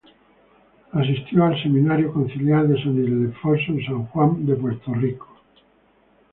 Asistió al Seminario Conciliar de San Ildefonso en San Juan, Puerto Rico.